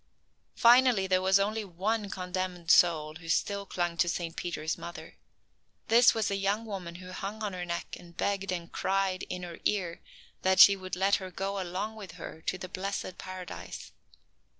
Finally, there was only one condemned soul who still clung to St. Peter's mother. This was a young woman who hung on her neck and begged and cried in her ear that she would let her go along with her to the blessed Paradise.